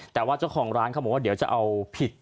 แต่ว่าเจ้าของร้านเขาบอกว่าเดี๋ยวจะเอาผิด